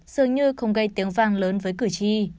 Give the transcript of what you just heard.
dường như không gây tiếng vang lớn với cử tri